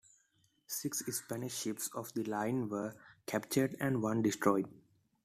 Six Spanish ships of the line were captured and one destroyed.